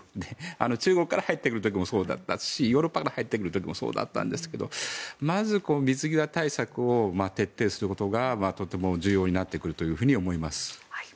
中国から入ってくる時もそうだったしヨーロッパから入ってくる時もそうだったんですがまず水際対策を徹底することがとても重要になってくると思います。